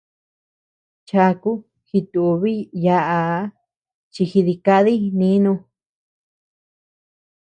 Chaku jitubiy yaʼaa chi jidikadiy nínu.